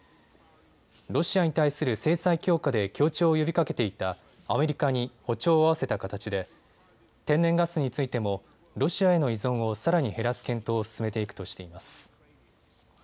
ロシアに対する制裁強化で協調を呼びかけていたアメリカに歩調を合わせた形で天然ガスについてもロシアへの依存をさらに減らす検討を進めていくとしています。